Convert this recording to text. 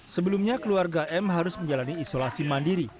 sebelumnya keluarga m harus menjalani isolasi mandiri